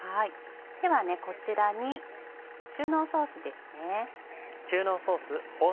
ではこちらに中濃ソースですね。